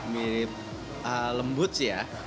mirip lembut sih ya